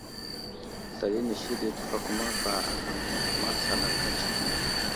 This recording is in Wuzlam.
Slal inisi ɗi təfakuma ba anaŋ masalaka tsəhed.